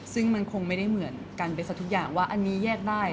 ซึ่งมันคงไม่ได้เหมือนกันไปสักทุกอย่างว่าอันนี้แยกได้